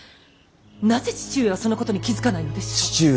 なぜ父上はそのことに気付かないのでしょう。